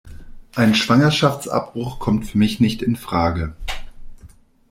Ein Schwangerschaftsabbruch kommt für mich nicht infrage.